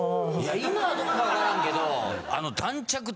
今はどうか分からんけど。